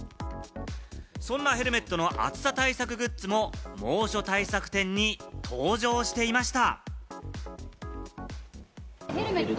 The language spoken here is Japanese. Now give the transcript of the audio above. そんなヘルメットの暑さ対策グッズも猛暑対策展に登場していました。